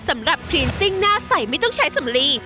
ครีนซิ่งหน้าใสไม่ต้องใช้สำลี